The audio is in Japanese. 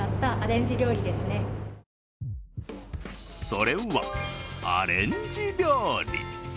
それはアレンジ料理。